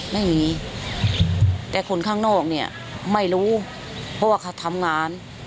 ไม่มีแต่คนข้างนอกเนี่ยไม่รู้เพราะว่าเขาทำงาน